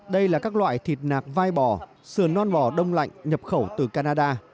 đây là các loại thịt nạc vai bò sườn non mò đông lạnh nhập khẩu từ canada